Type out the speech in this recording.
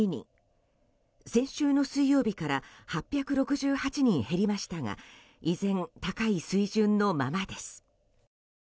先週の水曜日から８６８人減りましたが依然、高い水準のままです。